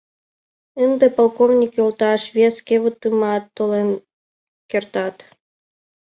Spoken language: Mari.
— Ынде, полковник йолташ, вес кевытымат толен кертат.